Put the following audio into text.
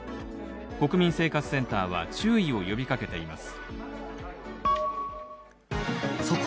国民生活センターは注意を呼びかけています。